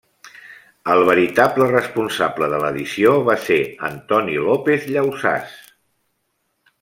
El veritable responsable de l'edició va ser Antoni López Llausàs.